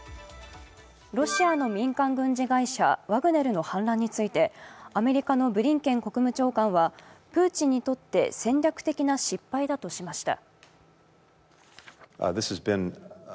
ロシアの民間軍事会社・ワグネルの反乱についてアメリカのブリンケン国務長官はプーチンにとって戦略的な失敗だとしました。